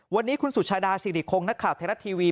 วันนี้คุณสุชาดาสิริคงนักข่าวไทยรัฐทีวี